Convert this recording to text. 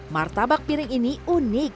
martabak piring ini unik